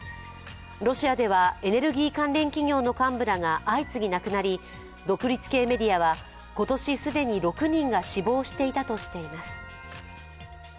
ロシアではエネルギー関連企業の幹部らが相次ぎ亡くなり、独立系メディアは、今年既に６人が死亡していたとしています。